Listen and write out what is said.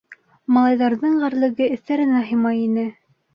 Малайҙарҙың ғәрлеге эҫтәренә һыймай ине.